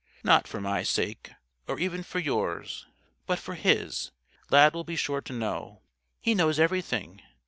Not for my sake or even for yours. But for his. Lad will be sure to know. He knows everything.